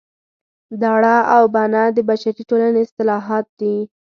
دړه او بنه د بشري ټولنې اصطلاحات دي